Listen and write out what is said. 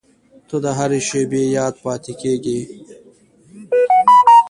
• ته د هر شېبې یاد پاتې کېږې.